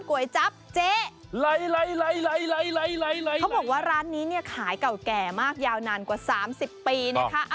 เขาบอกว่าร้านนี้เนี่ยขายเก่าแก่มากยาวนานกว่าสามสิบปีนะคะ